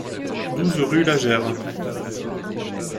douze rue Lageyre